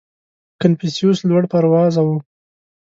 • کنفوسیوس لوړ پروازه و.